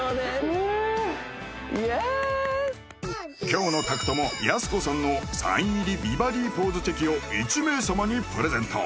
今日の宅トモやす子さんのサイン入り美バディポーズチェキを１名様にプレゼント